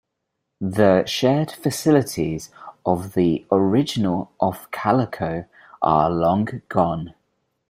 The shared facilities of the original Ofcolaco are long gone.